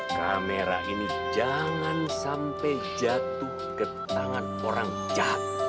kamera ini jangan sampai jatuh ke tangan orang jahat